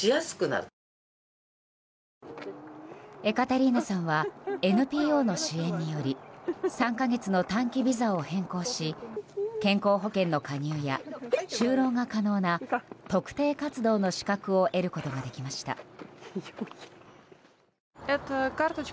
エカテリーナさんはＮＰＯの支援により３か月の短期ビザを変更し健康保険の加入や就労が可能な特定活動の資格を得ることができました。